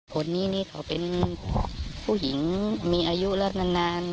คนนี้นี่เขาเป็นผู้หญิงมีอายุแล้วนาน